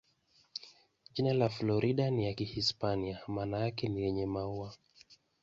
Jina la Florida ni ya Kihispania, maana yake ni "yenye maua".